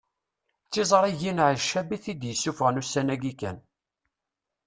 D tiẓrigin Ɛeccab i t-id-isuffɣen ussan-agi kan